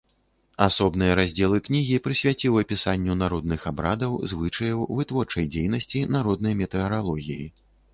Асобныя раздзелы кнігі прысвяціў апісанню народных абрадаў, звычаяў, вытворчай дзейнасці, народнай метэаралогіі.